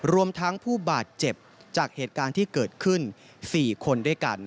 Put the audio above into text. รวมทั้งผู้บาดเจ็บจากเหตุการณ์ที่เกิดขึ้น๔คนด้วยกัน